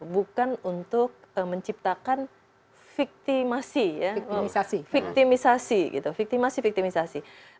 bukan untuk menciptakan victimisasi